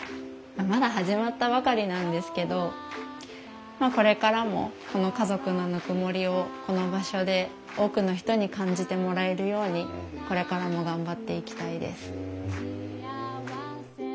まだ始まったばかりなんですけどこれからもこの家族のぬくもりをこの場所で多くの人に感じてもらえるようにこれからも頑張っていきたいです。